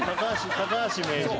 高橋名人。